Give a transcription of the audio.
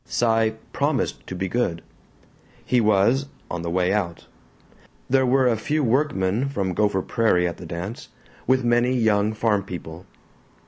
Cy "promised to be good." He was, on the way out. There were a few workmen from Gopher Prairie at the dance, with many young farm people.